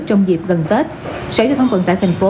trong dịp gần tết sở giao thông vận tải tp hcm